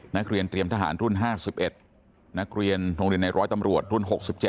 นักเรียนเตรียมทหารรุ่น๕๑นักเรียนโรงเรียนในร้อยตำรวจรุ่น๖๗